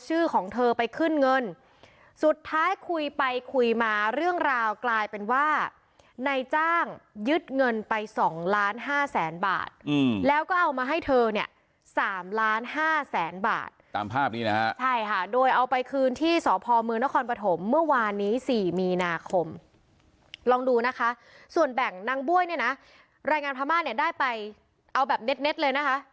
ส่วนนายจ้างนายจ้างไม่แบ่งภาษีให้เลยเหรอไม่ค่ะไม่แบ่งเสียภาษีเลย